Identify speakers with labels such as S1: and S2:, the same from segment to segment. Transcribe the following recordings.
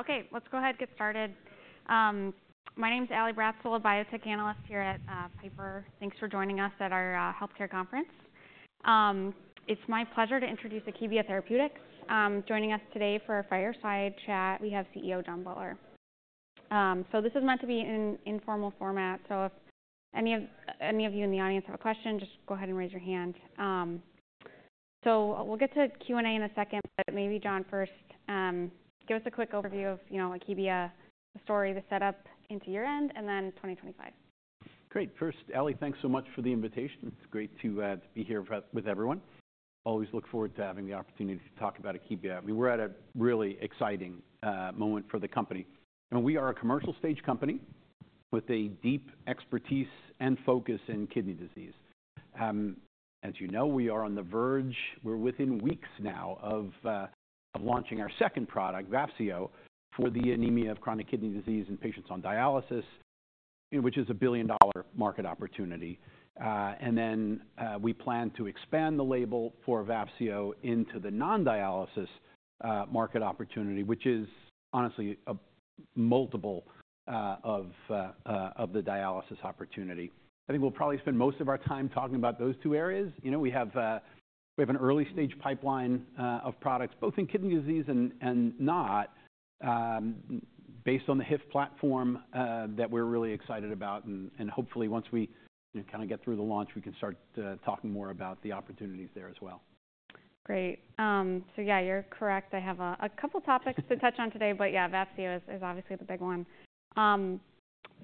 S1: Okay, let's go ahead and get started. My name's Ally Bratzel, a biotech analyst here at Piper. Thanks for joining us at our healthcare conference. It's my pleasure to introduce Akebia Therapeutics. Joining us today for a fireside chat, we have CEO John Butler. So this is meant to be an informal format, so if any of you in the audience have a question, just go ahead and raise your hand. So we'll get to Q&A in a second, but maybe John first. Give us a quick overview of Akebia, the story, the setup into year-end, and then 2025.
S2: Great. First, Ally, thanks so much for the invitation. It's great to be here with everyone. Always look forward to having the opportunity to talk about Akebia. We're at a really exciting moment for the company. We are a commercial-stage company with a deep expertise and focus in kidney disease. As you know, we are on the verge, we're within weeks now of launching our second product, Vafseo, for the anemia of chronic kidney disease in patients on dialysis, which is a billion-dollar market opportunity, and then we plan to expand the label for Vafseo into the non-dialysis market opportunity, which is honestly multiple of the dialysis opportunity. I think we'll probably spend most of our time talking about those two areas. We have an early-stage pipeline of products, both in kidney disease and not, based on the HIF platform that we're really excited about. Hopefully, once we kind of get through the launch, we can start talking more about the opportunities there as well.
S1: Great. So yeah, you're correct. I have a couple of topics to touch on today, but yeah, Vafseo is obviously the big one.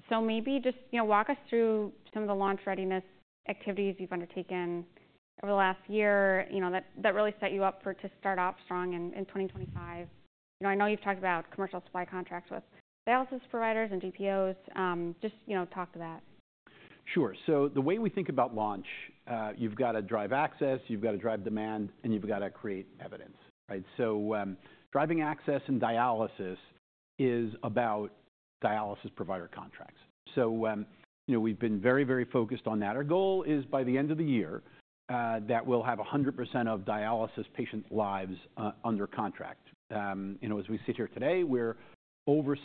S1: So maybe just walk us through some of the launch readiness activities you've undertaken over the last year that really set you up to start off strong in 2025. I know you've talked about commercial supply contracts with dialysis providers and GPOs. Just talk to that.
S2: Sure. So the way we think about launch, you've got to drive access, you've got to drive demand, and you've got to create evidence. So driving access and dialysis is about dialysis provider contracts. So we've been very, very focused on that. Our goal is by the end of the year that we'll have 100% of dialysis patient lives under contract. As we sit here today, we're over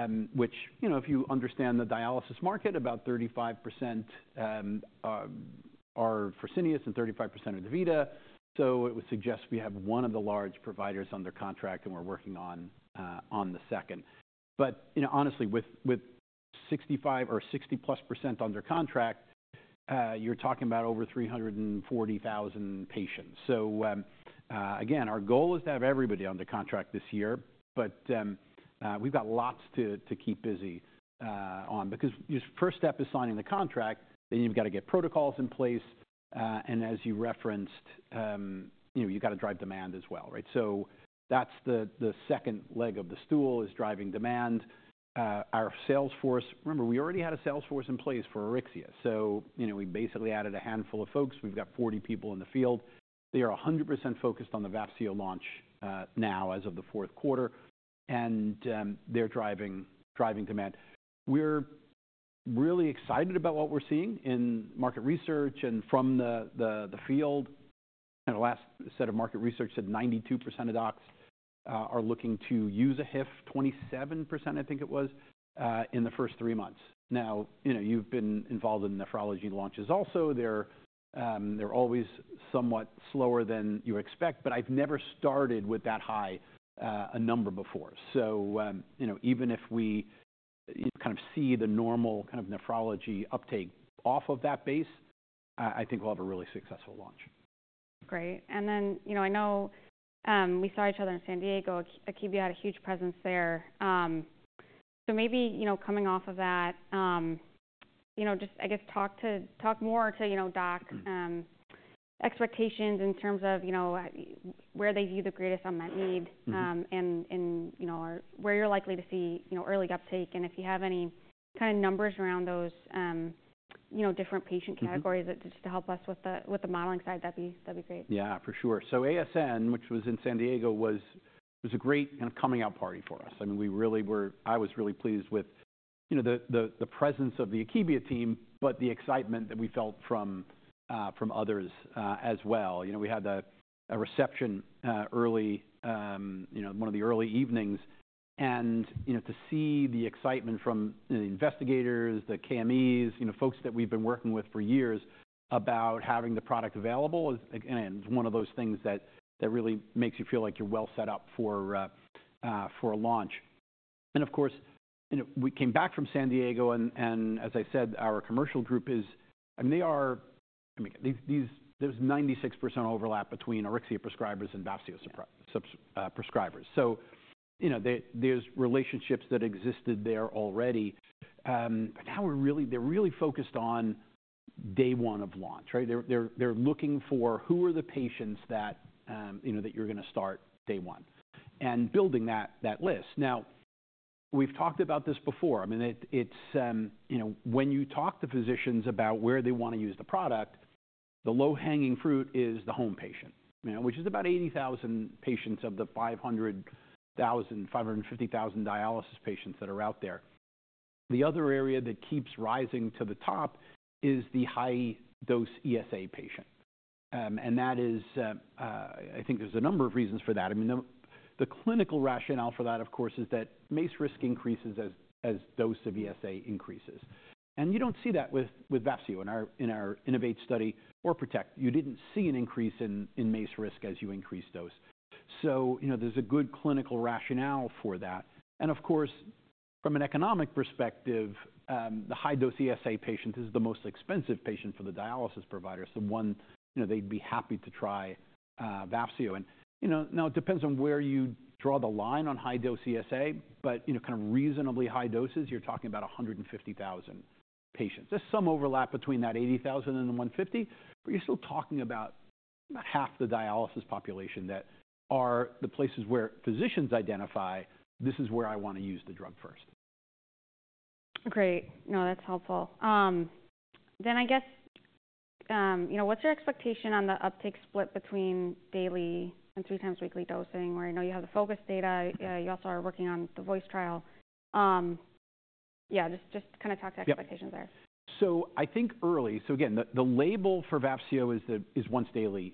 S2: 60%, which if you understand the dialysis market, about 35% are Fresenius and 35% are DaVita. So it would suggest we have one of the large providers under contract and we're working on the second. But honestly, with 65% or 60+% under contract, you're talking about over 340,000 patients. So again, our goal is to have everybody under contract this year, but we've got lots to keep busy on. Because first step is signing the contract, then you've got to get protocols in place. And as you referenced, you've got to drive demand as well. So that's the second leg of the stool is driving demand. Our sales force, remember, we already had a sales force in place for Auryxia. So we basically added a handful of folks. We've got 40 people in the field. They are 100% focused on the Vafseo launch now as of the fourth quarter, and they're driving demand. We're really excited about what we're seeing in market research and from the field. The last set of market research said 92% of docs are looking to use a HIF, 27% I think it was, in the first three months. Now, you've been involved in nephrology launches also. They're always somewhat slower than you expect, but I've never started with that high a number before. So even if we kind of see the normal kind of nephrology uptake off of that base, I think we'll have a really successful launch.
S1: Great. And then I know we saw each other in San Diego. Akebia had a huge presence there. So maybe coming off of that, just I guess talk more to doc expectations in terms of where they view the greatest unmet need and where you're likely to see early uptake. And if you have any kind of numbers around those different patient categories just to help us with the modeling side, that'd be great.
S2: Yeah, for sure. So ASN, which was in San Diego, was a great kind of coming out party for us. I mean, I was really pleased with the presence of the Akebia team, but the excitement that we felt from others as well. We had a reception early, one of the early evenings. And to see the excitement from the investigators, the KMEs, folks that we've been working with for years about having the product available, again, is one of those things that really makes you feel like you're well set up for a launch. And of course, we came back from San Diego, and as I said, our commercial group is, I mean, there is 96% overlap between Auryxia prescribers and Vafseo prescribers. So there's relationships that existed there already. But now they're really focused on day one of launch. They're looking for who are the patients that you're going to start day one and building that list. Now, we've talked about this before. I mean, when you talk to physicians about where they want to use the product, the low-hanging fruit is the home patient, which is about 80,000 patients of the 500,000-550,000 dialysis patients that are out there. The other area that keeps rising to the top is the high-dose ESA patient. And that is, I think there's a number of reasons for that. I mean, the clinical rationale for that, of course, is that MACE risk increases as dose of ESA increases. And you don't see that with Vafseo in our INNOVATE study or PROTECT. You didn't see an increase in MACE risk as you increase dose. So there's a good clinical rationale for that. Of course, from an economic perspective, the high-dose ESA patient is the most expensive patient for the dialysis provider. It's the one they'd be happy to try Vafseo. Now it depends on where you draw the line on high-dose ESA, but kind of reasonably high doses, you're talking about 150,000 patients. There's some overlap between that 80,000 and the 150,000 but you're still talking about half the dialysis population that are the places where physicians identify, this is where I want to use the drug first.
S1: Great. No, that's helpful. Then I guess, what's your expectation on the uptake split between daily and three times weekly dosing? Where I know you have the FO2CUS data, you also are working on the VOICE trial. Yeah, just kind of talk to expectations there.
S2: So I think early, so again, the label for Vafseo is once daily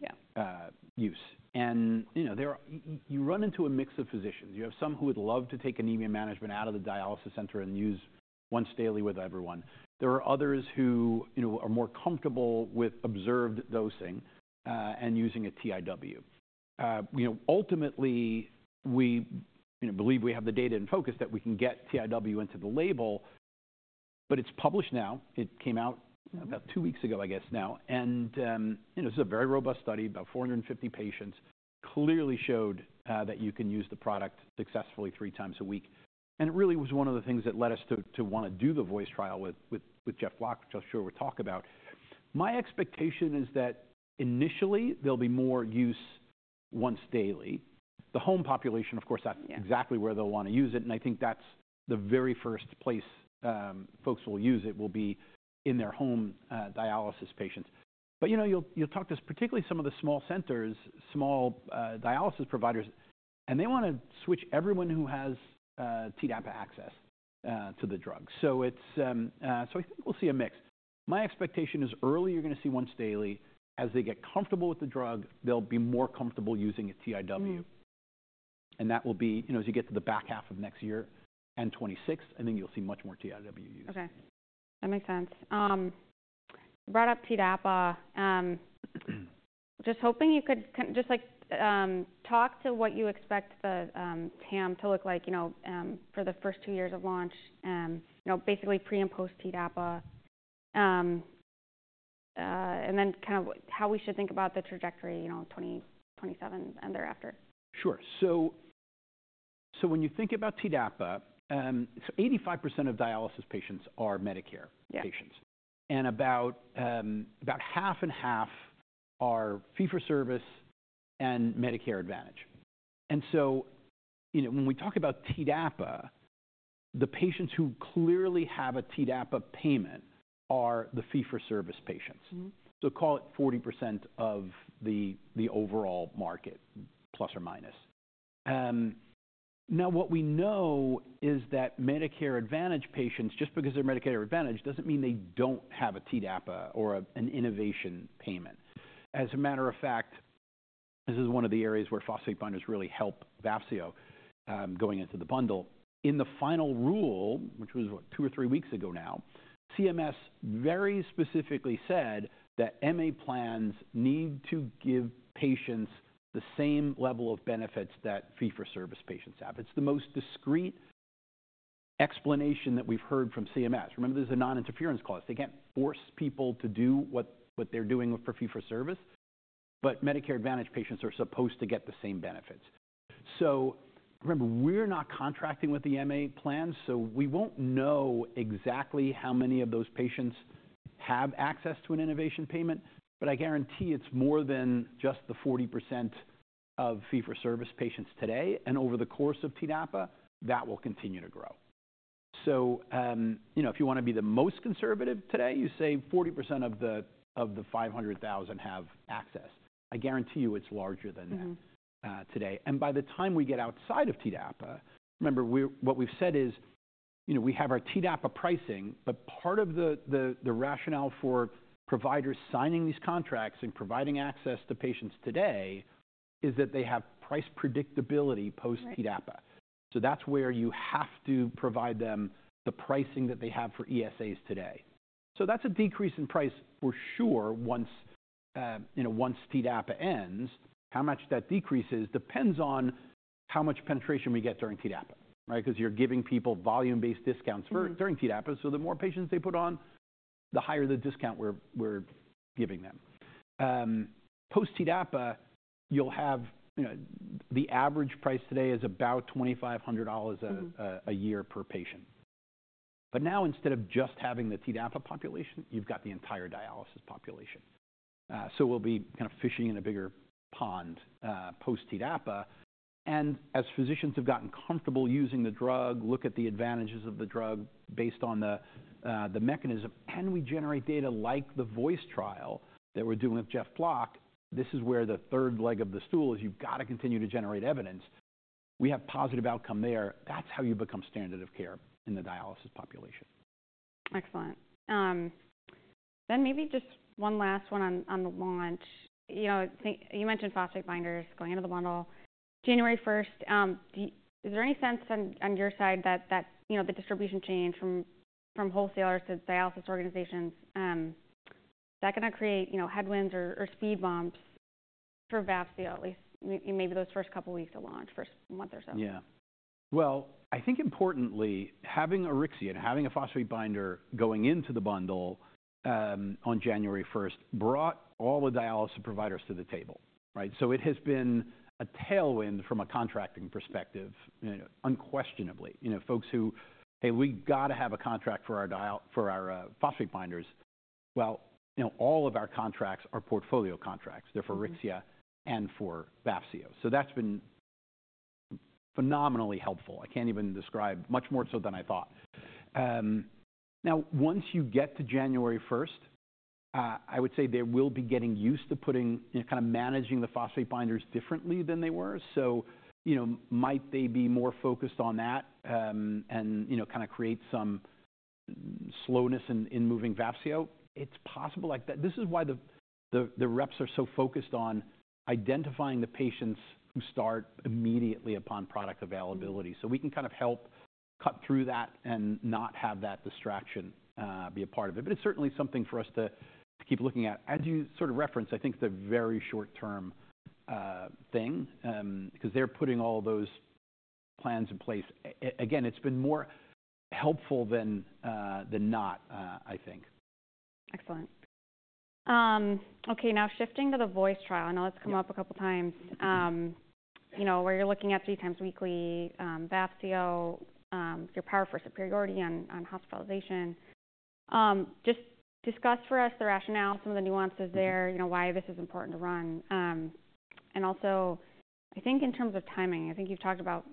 S2: use. And you run into a mix of physicians. You have some who would love to take anemia management out of the dialysis center and use once daily with everyone. There are others who are more comfortable with observed dosing and using a TIW. Ultimately, we believe we have the data in FO2CUS that we can get TIW into the label, but it's published now. It came out about two weeks ago, I guess now. And it's a very robust study, about 450 patients, clearly showed that you can use the product successfully three times a week. And it really was one of the things that led us to want to do the VOICE trial with Jeff Block, which I'm sure we'll talk about. My expectation is that initially there'll be more use once daily. The home population, of course, that's exactly where they'll want to use it. And I think that's the very first place folks will use it will be in their home dialysis patients. But you'll talk to us, particularly some of the small centers, small dialysis providers, and they want to switch everyone who has TDAPA access to the drug. So I think we'll see a mix. My expectation is early, you're going to see once daily. As they get comfortable with the drug, they'll be more comfortable using a TIW. And that will be as you get to the back half of next year and 2026, I think you'll see much more TIW use.
S1: Okay. That makes sense. You brought up TDAPA. Just hoping you could just talk to what you expect the TAM to look like for the first two years of launch, basically pre and post TDAPA, and then kind of how we should think about the trajectory 2027 and thereafter.
S2: Sure. So when you think about TDAPA, 85% of dialysis patients are Medicare patients. About half and half are fee-for-service and Medicare Advantage. So when we talk about TDAPA, the patients who clearly have a TDAPA payment are the fee-for-service patients. Call it 40% of the overall market, plus or minus. Now, what we know is that Medicare Advantage patients, just because they're Medicare Advantage, doesn't mean they don't have a TDAPA or an innovation payment. As a matter of fact, this is one of the areas where phosphate binders really help Vafseo going into the bundle. In the final rule, which was two or three weeks ago now, CMS very specifically said that MA plans need to give patients the same level of benefits that fee-for-service patients have. It's the most discrete explanation that we've heard from CMS. Remember, there's a non-interference clause. They can't force people to do what they're doing for fee-for-service, but Medicare Advantage patients are supposed to get the same benefits. Remember, we're not contracting with the MA plans, so we won't know exactly how many of those patients have access to an innovation payment, but I guarantee it's more than just the 40% of fee-for-service patients today. Over the course of TDAPA, that will continue to grow. If you want to be the most conservative today, you say 40% of the 500,000 have access. I guarantee you it's larger than that today. By the time we get outside of TDAPA, remember what we've said is we have our TDAPA pricing, but part of the rationale for providers signing these contracts and providing access to patients today is that they have price predictability post TDAPA. That's where you have to provide them the pricing that they have for ESAs today. That's a decrease in price for sure once TDAPA ends. How much that decreases depends on how much penetration we get during TDAPA, right? Because you're giving people volume-based discounts during TDAPA. The more patients they put on, the higher the discount we're giving them. Post TDAPA, you'll have the average price today is about $2,500 a year per patient. But now instead of just having the TDAPA population, you've got the entire dialysis population. We'll be kind of fishing in a bigger pond post TDAPA. As physicians have gotten comfortable using the drug, look at the advantages of the drug based on the mechanism, and we generate data like the VOICE trial that we're doing with Jeff Block. This is where the third leg of the stool is. You've got to continue to generate evidence. We have positive outcome there. That's how you become standard of care in the dialysis population.
S1: Excellent. Then maybe just one last one on the launch. You mentioned phosphate binders going into the bundle. January 1st, is there any sense on your side that the distribution change from wholesalers to dialysis organizations, is that going to create headwinds or speed bumps for Vafseo, at least maybe those first couple of weeks of launch, first month or so?
S2: Yeah. Well, I think importantly, having Auryxia and having a phosphate binder going into the bundle on January 1st brought all the dialysis providers to the table, right? So it has been a tailwind from a contracting perspective, unquestionably. Folks who, hey, we've got to have a contract for our phosphate binders. Well, all of our contracts are portfolio contracts. They're for Auryxia and for Vafseo. So that's been phenomenally helpful. I can't even describe much more so than I thought. Now, once you get to January 1st, I would say they will be getting used to putting kind of managing the phosphate binders differently than they were. So might they be more focused on that and kind of create some slowness in moving Vafseo? It's possible. This is why the reps are so focused on identifying the patients who start immediately upon product availability. So we can kind of help cut through that and not have that distraction be a part of it. But it's certainly something for us to keep looking at. As you sort of referenced, I think the very short-term thing, because they're putting all those plans in place. Again, it's been more helpful than not, I think.
S1: Excellent. Okay, now shifting to the VOICE trial. I know it's come up a couple of times. You know where you're looking at 3x weekly, Vafseo, your power for superiority on hospitalization. Just discuss for us the rationale, some of the nuances there, why this is important to run. And also, I think in terms of timing, I think you've talked about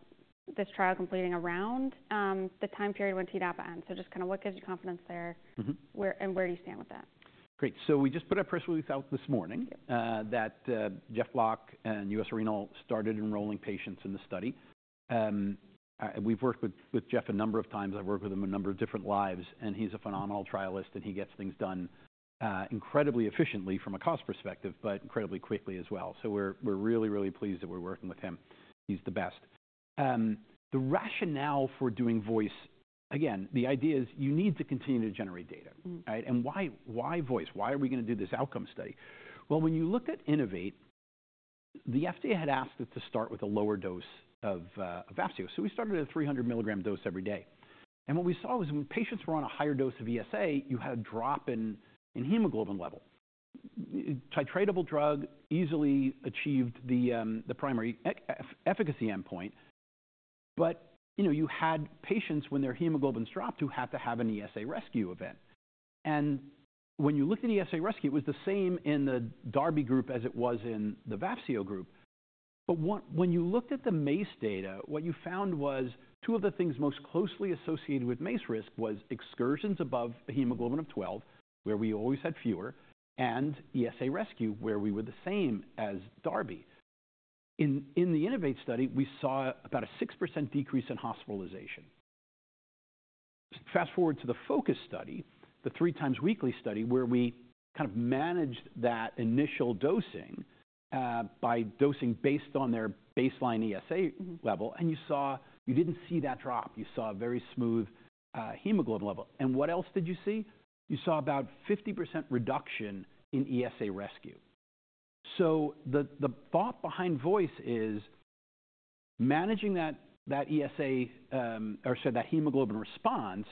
S1: this trial completing around the time period when TDAPA ends. So just kind of what gives you confidence there and where do you stand with that?
S2: Great. So we just put out a press release this morning that Jeff Block and U.S. Renal started enrolling patients in the study. We've worked with Jeff a number of times. I've worked with him a number of different trials, and he's a phenomenal trialist, and he gets things done incredibly efficiently from a cost perspective, but incredibly quickly as well. So we're really, really pleased that we're working with him. He's the best. The rationale for doing VOICE, again, the idea is you need to continue to generate data, right? And why VOICE? Why are we going to do this outcome study? Well, when you looked at INNOVATE, the FDA had asked us to start with a lower dose of Vafseo. So we started at a 300 mg dose every day. And what we saw was when patients were on a higher dose of ESA, you had a drop in hemoglobin level. Titratable drug easily achieved the primary efficacy endpoint, but you had patients when their hemoglobins dropped who had to have an ESA rescue event. And when you looked at ESA rescue, it was the same in the darbepoetin group as it was in the Vafseo group. But when you looked at the MACE data, what you found was two of the things most closely associated with MACE risk was excursions above a hemoglobin of 12, where we always had fewer, and ESA rescue, where we were the same as darbepoetin. In the INNOVATE study, we saw about a 6% decrease in hospitalization. Fast forward to the FO2CUS study, the three times weekly study, where we kind of managed that initial dosing by dosing based on their baseline ESA level, and you saw you didn't see that drop. You saw a very smooth hemoglobin level. And what else did you see? You saw about 50% reduction in ESA rescue. So the thought behind VOICE is managing that ESA or sorry, that hemoglobin response,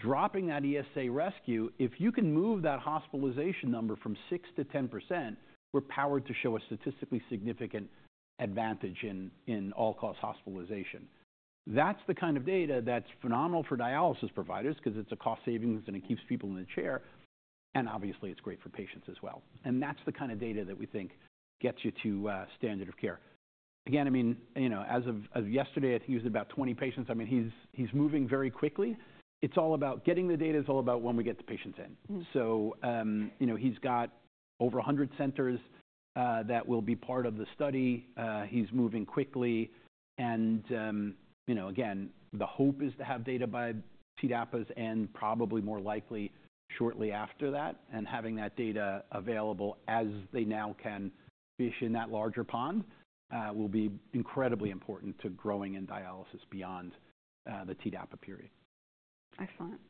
S2: dropping that ESA rescue, if you can move that hospitalization number from 6%-10%, we're powered to show a statistically significant advantage in all-cause hospitalization. That's the kind of data that's phenomenal for dialysis providers because it's a cost savings and it keeps people in the chair, and obviously it's great for patients as well. And that's the kind of data that we think gets you to standard of care. Again, I mean, as of yesterday, I think he was about 20 patients. I mean, he's moving very quickly. It's all about getting the data. It's all about when we get the patients in. So he's got over 100 centers that will be part of the study. He's moving quickly, and again, the hope is to have data by TDAPA and probably more likely shortly after that, having that data available as they now can fish in that larger pond will be incredibly important to growing in dialysis beyond the TDAPA period.
S1: Excellent.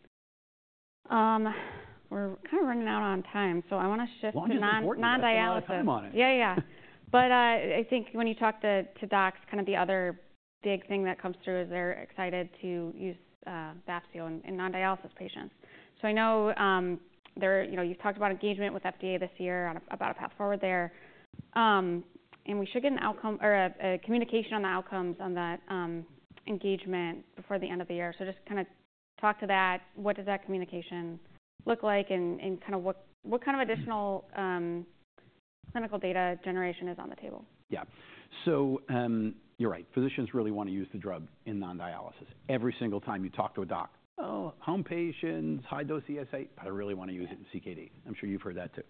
S1: We're kind of running out on time, so I want to shift to non-dialysis.
S2: I have plenty of time on it.
S1: Yeah, yeah. But I think when you talk to docs, kind of the other big thing that comes through is they're excited to use Vafseo in non-dialysis patients. So I know you've talked about engagement with FDA this year about a path forward there. And we should get a communication on the outcomes on that engagement before the end of the year. So just kind of talk to that. What does that communication look like and kind of what kind of additional clinical data generation is on the table?
S2: Yeah. So you're right. Physicians really want to use the drug in non-dialysis. Every single time you talk to a doc, "Oh, home patients, high dose ESA, but I really want to use it in CKD." I'm sure you've heard that too.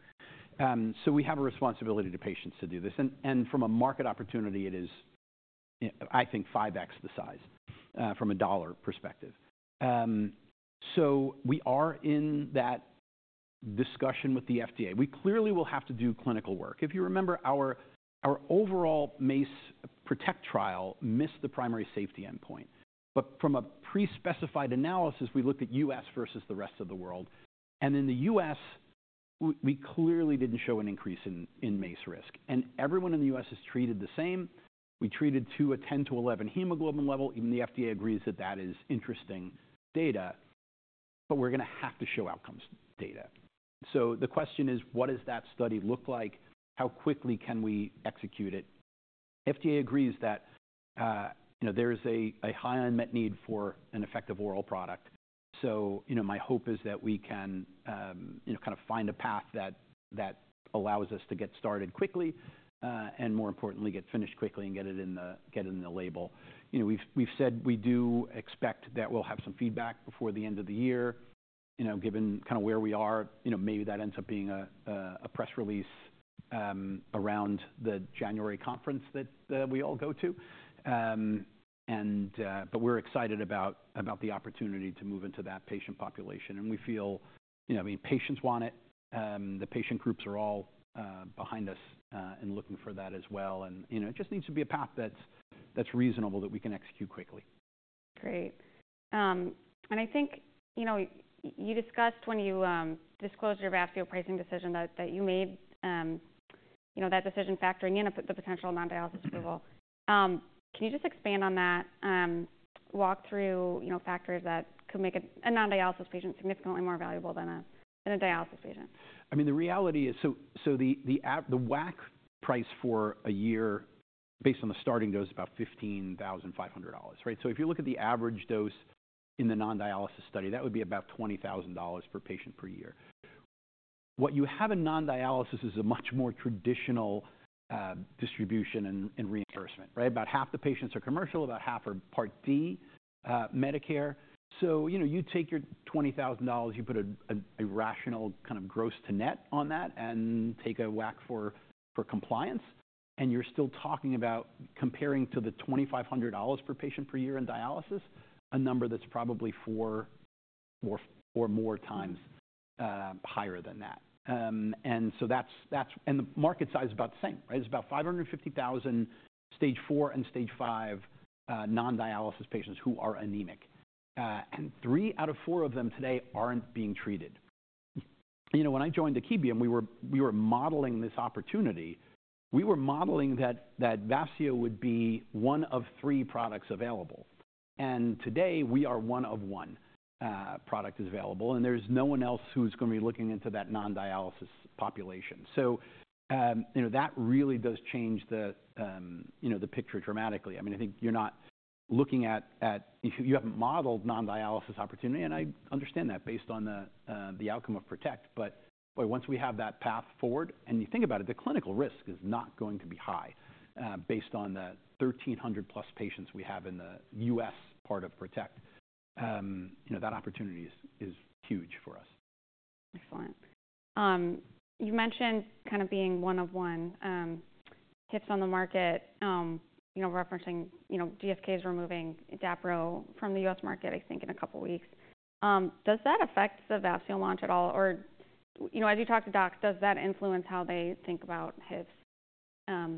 S2: So we have a responsibility to patients to do this. And from a market opportunity, it is, I think, 5x the size from a dollar perspective. So we are in that discussion with the FDA. We clearly will have to do clinical work. If you remember, our overall MACE PROTECT trial missed the primary safety endpoint. But from a pre-specified analysis, we looked at U.S. versus the rest of the world. And in the U.S., we clearly didn't show an increase in MACE risk. And everyone in the U.S. is treated the same. We treated to a 10-11 hemoglobin level. Even the FDA agrees that that is interesting data, but we're going to have to show outcomes data. So the question is, what does that study look like? How quickly can we execute it? FDA agrees that there is a high unmet need for an effective oral product. So my hope is that we can kind of find a path that allows us to get started quickly and, more importantly, get finished quickly and get it in the label. We've said we do expect that we'll have some feedback before the end of the year. Given kind of where we are, maybe that ends up being a press release around the January conference that we all go to. But we're excited about the opportunity to move into that patient population. And we feel patients want it. The patient groups are all behind us and looking for that as well. It just needs to be a path that's reasonable that we can execute quickly.
S1: Great. And I think you discussed when you disclosed your Vafseo pricing decision that you made that decision factoring in the potential non-dialysis approval. Can you just expand on that? Walk through factors that could make a non-dialysis patient significantly more valuable than a dialysis patient.
S2: I mean, the reality is, so the WAC price for a year based on the starting dose is about $15,500, right? So if you look at the average dose in the non-dialysis study, that would be about $20,000 per patient per year. What you have in non-dialysis is a much more traditional distribution and reimbursement, right? About half the patients are commercial, about half are Part D Medicare. So you take your $20,000, you put a rational kind of gross to net on that and take a WAC for compliance, and you're still talking about comparing to the $2,500 per patient per year in dialysis, a number that's probably four or more times higher than that. And the market size is about the same, right? It's about 550,000 stage 4 and stage 5 non-dialysis patients who are anemic. And three out of four of them today aren't being treated. When I joined Akebia, we were modeling this opportunity. We were modeling that Vafseo would be one of three products available. And today, we are one of one product is available, and there's no one else who's going to be looking into that non-dialysis population. So that really does change the picture dramatically. I mean, I think you're not looking at you haven't modeled non-dialysis opportunity, and I understand that based on the outcome of PROTECT. But once we have that path forward, and you think about it, the clinical risk is not going to be high based on the 1,300+ patients we have in the U.S. part of PROTECT. That opportunity is huge for us.
S1: Excellent. You mentioned kind of being one of one hits on the market, referencing GSK is removing Dapro from the U.S. market, I think in a couple of weeks. Does that affect the Vafseo launch at all? Or as you talk to docs, does that influence how they think about HIFS?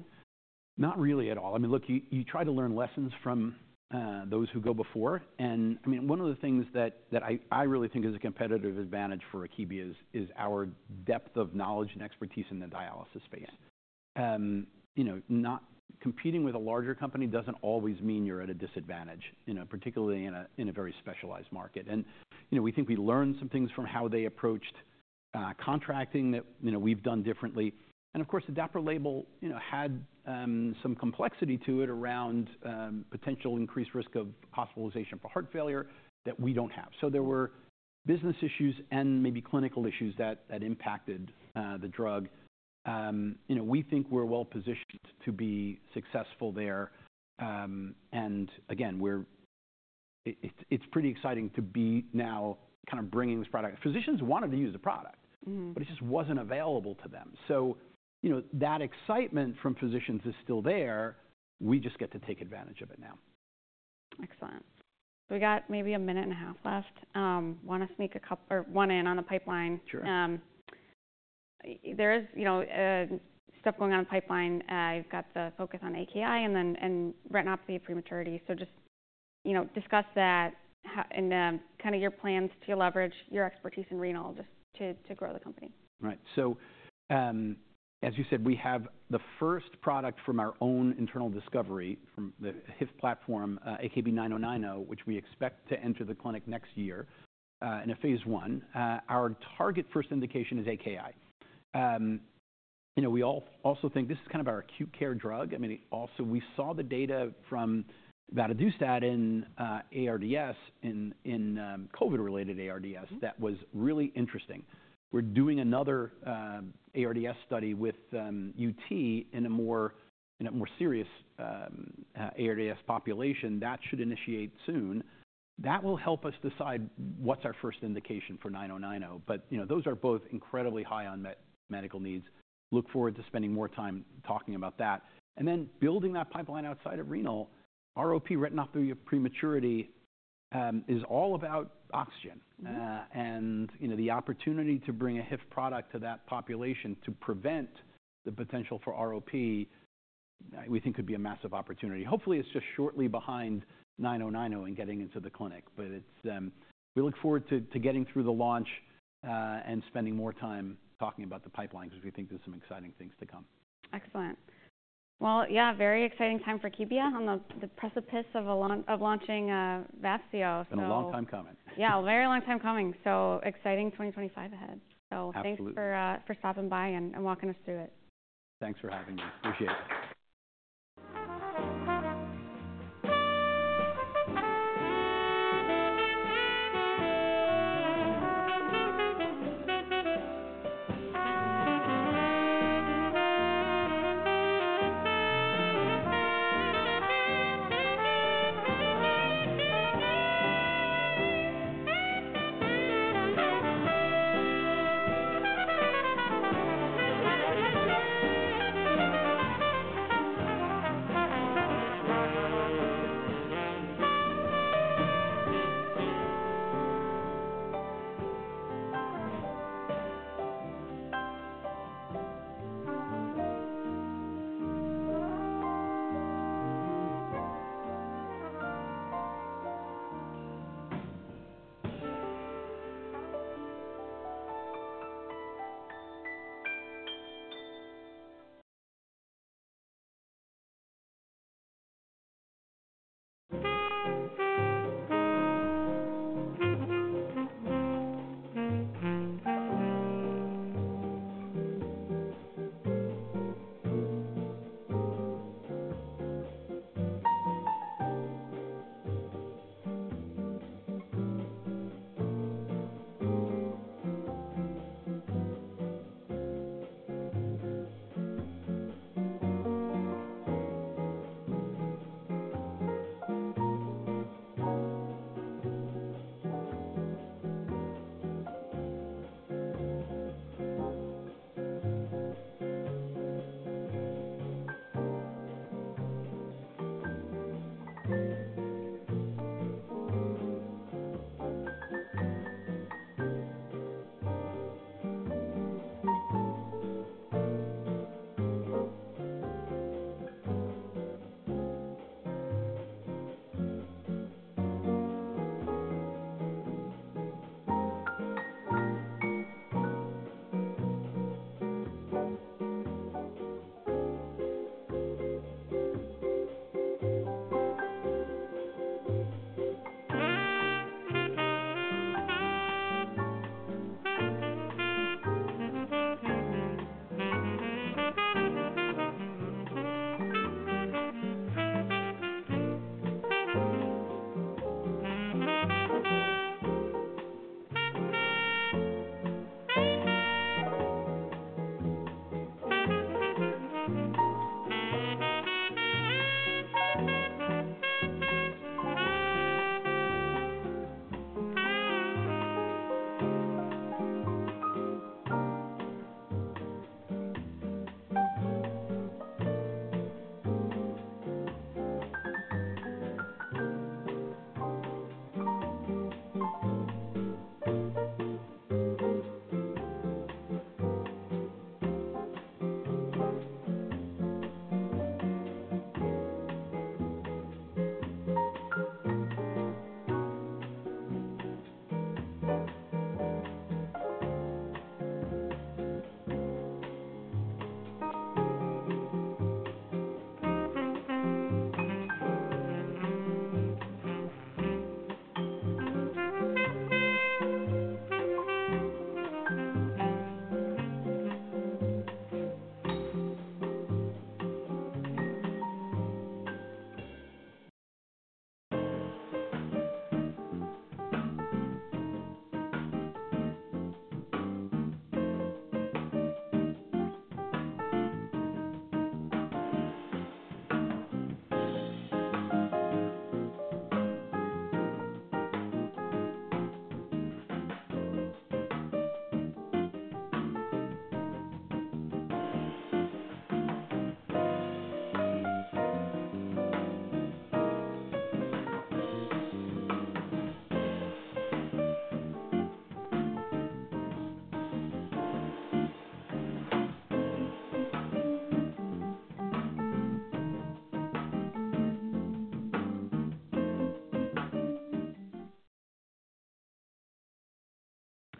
S2: Not really at all. I mean, look, you try to learn lessons from those who go before. And I mean, one of the things that I really think is a competitive advantage for Akebia is our depth of knowledge and expertise in the dialysis space. Not competing with a larger company doesn't always mean you're at a disadvantage, particularly in a very specialized market. And we think we learned some things from how they approached contracting that we've done differently. And of course, the Dapro label had some complexity to it around potential increased risk of hospitalization for heart failure that we don't have. So there were business issues and maybe clinical issues that impacted the drug. We think we're well positioned to be successful there. And again, it's pretty exciting to be now kind of bringing this product. Physicians wanted to use the product, but it just wasn't available to them. So that excitement from physicians is still there. We just get to take advantage of it now.
S1: Excellent. We got maybe a minute and a half left. Want to sneak a couple or one in on the pipeline.
S2: Sure.
S1: There is stuff going on in the pipeline. You've got the focus on AKI and retinopathy of prematurity. So just discuss that and kind of your plans to leverage your expertise in renal just to grow the company.
S2: Right. So as you said, we have the first product from our own internal discovery from the HIFs platform, AKB-9090, which we expect to enter the clinic next year in a phase one. Our target first indication is AKI. We also think this is kind of our acute care drug. I mean, also we saw the data from vadadustat ARDS in COVID-related ARDS that was really interesting. We are doing another ARDS study with UT in a more serious ARDS population. That should initiate soon. That will help us decide what is our first indication for 9090. But those are both incredibly high unmet medical needs. Look forward to spending more time talking about that. And then building that pipeline outside of renal, ROP retinopathy of prematurity is all about oxygen. The opportunity to bring a HIFs product to that population to prevent the potential for ROP, we think, could be a massive opportunity. Hopefully, it's just shortly behind 9090 and getting into the clinic. We look forward to getting through the launch and spending more time talking about the pipeline because we think there's some exciting things to come.
S1: Excellent. Well, yeah, very exciting time for Akebia on the precipice of launching Vafseo.
S2: A long time coming.
S1: Yeah, a very long time coming. So exciting 2025 ahead. So thanks for stopping by and walking us through it.
S2: Thanks for having me. Appreciate it.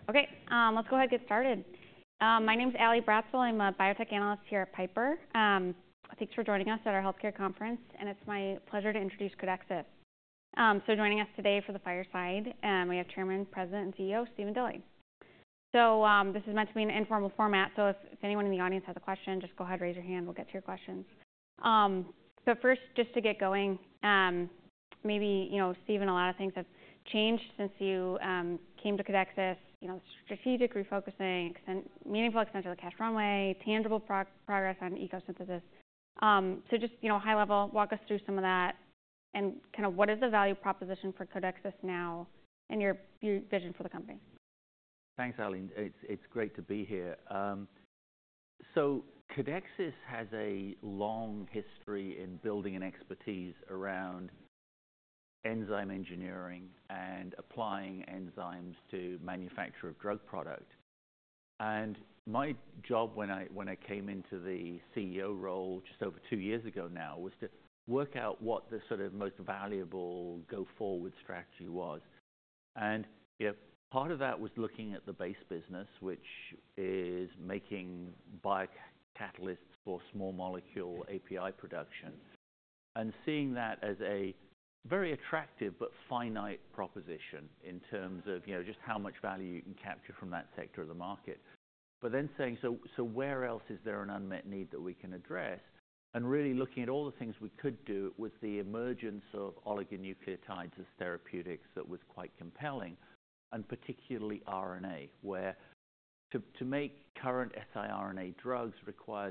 S1: Okay. Let's go ahead and get started. My name is Ally Bratzel. I'm a biotech analyst here at Piper. Thanks for joining us at our healthcare conference. And it's my pleasure to introduce Codexis. So joining us today for the fireside, we have Chairman, President, and CEO Stephen Dilly. So this is meant to be an informal format. So if anyone in the audience has a question, just go ahead, raise your hand. We'll get to your questions. So first, just to get going, maybe Stephen, a lot of things have changed since you came to Codexis: strategic refocusing, meaningful extension of the cash runway, tangible progress on ECO synthesis. So just high level, walk us through some of that and kind of what is the value proposition for Codexis now and your vision for the company.
S3: Thanks, Eileen. It's great to be here. So Codexis has a long history in building an expertise around enzyme engineering and applying enzymes to the manufacture of drug product. And my job when I came into the CEO role just over two years ago now was to work out what the sort of most valuable go-forward strategy was. And part of that was looking at the base business, which is making biocatalysts for small molecule API production and seeing that as a very attractive but finite proposition in terms of just how much value you can capture from that sector of the market. But then saying, so where else is there an unmet need that we can address? And really looking at all the things we could do with the emergence of oligonucleotides as therapeutics that was quite compelling, and particularly RNA, where to make current siRNA drugs require.